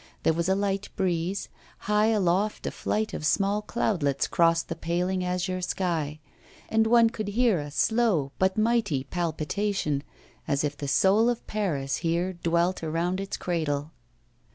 There was a light breeze, high aloft a flight of small cloudlets crossed the paling azure sky, and one could hear a slow but mighty palpitation, as if the soul of Paris here dwelt around its cradle.